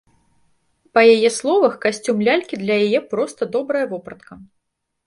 Па яе словах, касцюм лялькі для яе проста добрая вопратка.